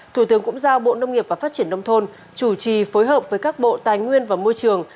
thủ tướng cũng giao bộ nông nghiệp và phát triển nông thôn chủ trì phối hợp với các bộ tài nguyên và môi trường